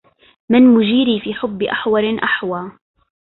من مجيري في حب أحور أحوى